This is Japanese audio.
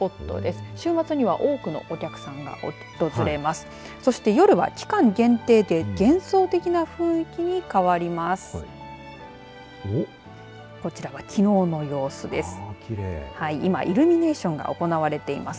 そして夜は期間限定で幻想的な雰囲気に変わります。